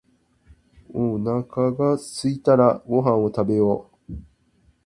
おなかがすいたらご飯を食べよう